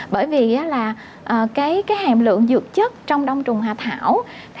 bởi vì hàm lượng dược chất trong đông trùng hạ thảo